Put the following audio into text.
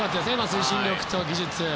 推進力と技術。